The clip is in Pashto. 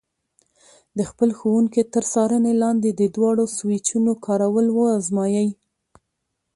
د خپل ښوونکي تر څارنې لاندې د دواړو سویچونو کارول وازمایئ.